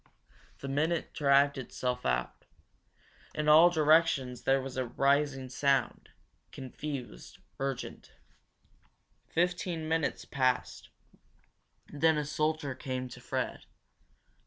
The minute dragged itself out. In all directions there was a rising sound, confused, urgent. Fifteen minutes passed. Then a soldier came to Fred.